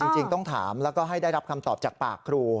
จริงต้องถามแล้วก็ให้ได้รับคำตอบจากปากครู